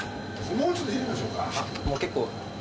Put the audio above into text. もう結構。